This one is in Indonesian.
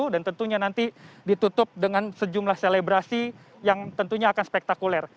dan tentunya nanti ditutup dengan sejumlah selebrasi yang tentunya akan spektakuler